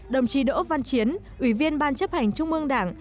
đồng chí đỗ văn chiến ủy viên ban chấp hành trung ương đảng